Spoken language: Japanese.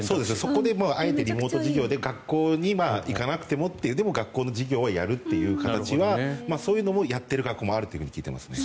そこであえてリモート授業で学校に行かなくてもでも学校の授業をやるという形はそういうのもやっている学校もあると聞いていますね。